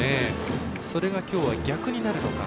それがきょうは逆になるのか。